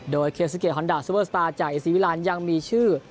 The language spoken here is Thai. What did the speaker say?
โดยเคซุเกฮอนดาซูเปอร์สตาร์จากเอซีวิลานยังมีชื่อ